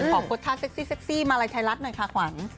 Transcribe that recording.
ขอบคุณท่าเซ็กซี่มาลัยไทรัศน์หน่อยค่ะหวาน